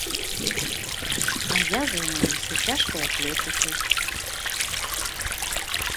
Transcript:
А я займаюся цяжкай атлетыкай.